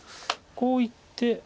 こういって。